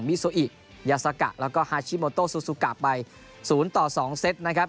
ิซูอิยาซากะแล้วก็ฮาชิโมโตซูซูกะไป๐ต่อ๒เซตนะครับ